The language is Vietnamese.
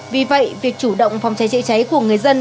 vì vậy việc chủ động phòng cháy chữa cháy của người dân